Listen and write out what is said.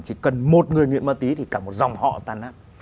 chỉ cần một người nghiện ma túy thì cả một dòng họ tàn nát